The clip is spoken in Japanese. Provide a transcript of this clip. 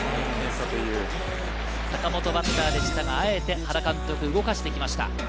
坂本がバッターでしたが、あえて原監督が動かしてきました。